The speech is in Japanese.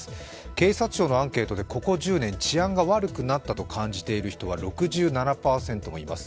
警察庁のアンケートでここ１０年で治安が悪くなったと感じている人が６７％もいます。